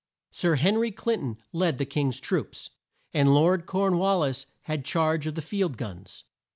Sir Hen ry Clin ton led the King's troops, and Lord Corn wal lis had charge of the field guns.